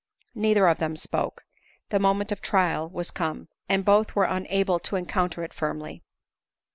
Neither of them spoke ; the moment of trial was come ; and both were unable to encounter it firmly.